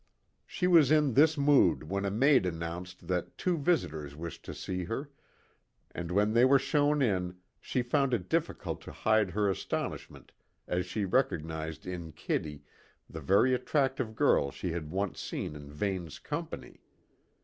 She was in this mood when a maid announced that two visitors wished to see her; and when they were shown in, she found it difficult to hide her astonishment as she recognised in Kitty the very attractive girl she had once seen in Vane's company.